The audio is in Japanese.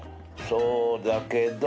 そうだけど。